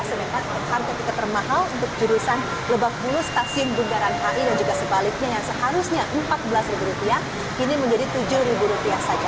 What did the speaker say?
sedangkan harga tiket termahal untuk jurusan lebak bulus stasiun bundaran hi dan juga sebaliknya yang seharusnya rp empat belas kini menjadi rp tujuh saja